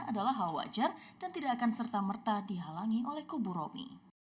adalah hal wajar dan tidak akan serta merta dihalangi oleh kubu romi